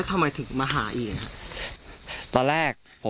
เพราะคนร้ายเผาเสื้อน้องชมพู่ไปแล้วค่ะ